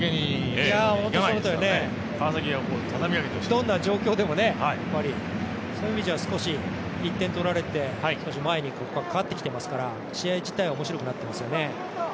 どんな状況でもね、そういう意味では、１点取られて、変わってきてますから試合自体は面白くなっていますよね。